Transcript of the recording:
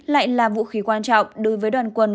lại là vũ khí quan trọng đối với đoàn quân